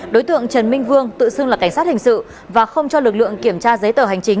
đối tượng trần minh vương tự xưng là cảnh sát hình sự và không cho lực lượng kiểm tra giấy tờ hành trình